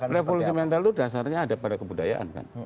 revolusi mental itu dasarnya ada pada kebudayaan kan